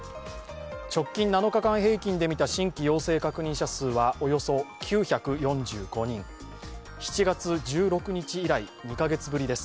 直近７日間平均で見た新規陽性確認者数はおよそ９４５人、７月１６日以来２カ月ぶりです。